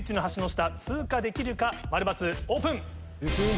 ○×オープン。